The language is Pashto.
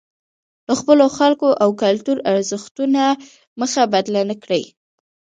د خپلو خلکو او کلتوري ارزښتونو مخه بدله نکړي.